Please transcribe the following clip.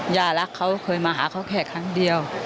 ย่ารักเขาเคยมาหาเขาแค่ครั้งเดียว